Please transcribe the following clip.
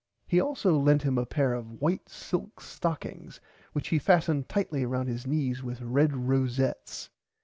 He also lent him a pair of white silk stockings which he fastened tightly round his knees with red rosettes.